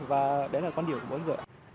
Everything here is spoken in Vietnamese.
và đấy là quan điểm của mình